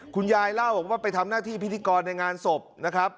คุณยายเล่าบอกว่าไปทำหน้าที่พิธีกรในงานศพนะครับ